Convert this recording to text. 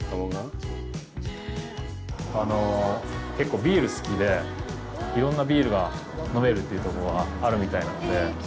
結構、ビールが好きで、いろんなビールが飲めるというところがあるみたいなので。